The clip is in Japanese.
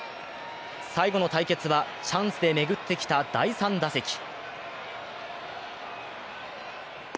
最後の対決はチャンスで巡ってきた第３打席。